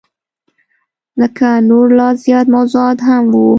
بلکه نور لا زیات موضوعات هم وه.